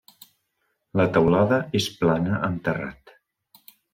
La teulada és plana amb terrat.